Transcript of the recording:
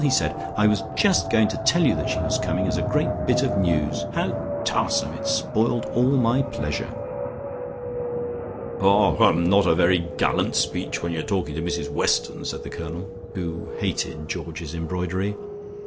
he said. "I was just going to tell you that she was coming, as a great bit of news. How tarsome! It's spoiled all my pleasure." "Haw, hum, not a very gallant speech, when you're talking to Mrs Weston," said the Colonel, who hated Georgie's embroidery.